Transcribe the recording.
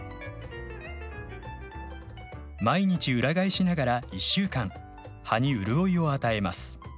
毎日裏返しながら１週間葉に潤いを与えます。